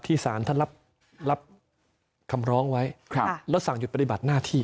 สารท่านรับคำร้องไว้แล้วสั่งหยุดปฏิบัติหน้าที่